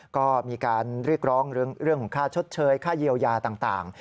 ก็มีการเรียกร้องเรื่องของค่าชดเชยค่าเยียวยาต่าง